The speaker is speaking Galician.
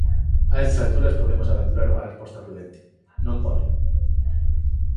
A estas alturas podemos aventurar unha resposta prudente: non poden.